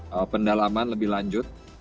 jadi pendalaman lebih lanjut